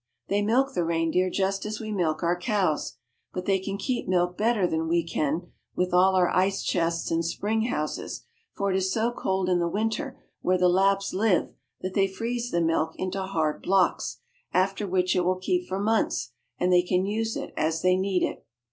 They milk the reindeer just as we milk our cows, but they can keep milk better than we can, with all our ice chests and spring houses, for it is so cold in the winter where the Lapps live that they freeze the milk into hard blocks, after which it will keep for months and they can use it as they need it.